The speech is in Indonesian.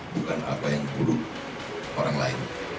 bukan apa yang buruk orang lain